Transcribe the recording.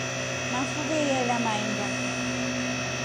Mafuve nyalya mahemba.